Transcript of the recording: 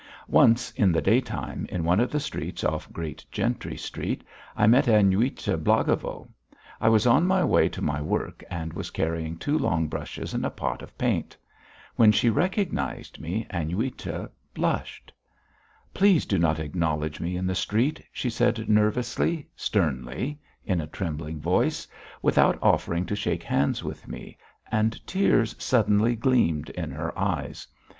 Once, in the daytime, in one of the streets off Great Gentry Street, I met Aniuta Blagovo. I was on my way to my work and was carrying two long brushes and a pot of paint. When she recognised me, Aniuta blushed. "Please do not acknowledge me in the street," she said nervously, sternly, in a trembling voice, without offering to shake hands with me, and tears suddenly gleamed in her eyes.